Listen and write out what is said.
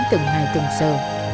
từng ngày từng giờ